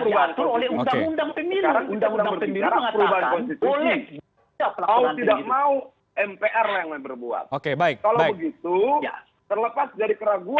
jadi keraguan mahasiswa ini belum tertegang